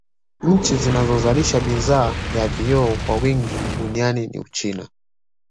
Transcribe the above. Nchi zinazozalisha bidhaa ya vioo kwa wingi duniani ni Uchina